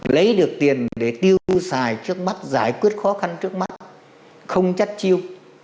lấy được tiền để tiêu xài trước mắt giải quyết khó khăn trước mắt không chắc chiêu